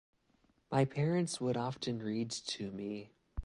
My parents would often read to me.